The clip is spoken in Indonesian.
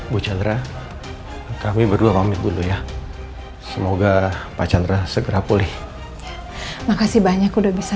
bu chandra kami berdua komik dulu ya semoga pak chandra segera pulih makasih banyak udah bisa